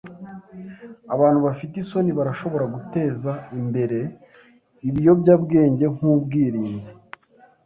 Abantu bafite isoni barashobora guteza imbere ibiyobyabwenge nkubwirinzi.